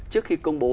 trước khi công bố